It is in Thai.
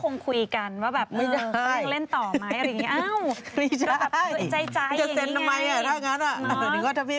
ยันไม่คุยกันว่าหรอกให้เราเล่นต่อมั้ย